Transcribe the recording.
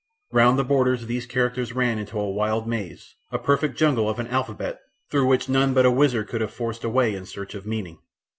Round the borders these characters ran into a wild maze, a perfect jungle of an alphabet through which none but a wizard could have forced a way in search of meaning.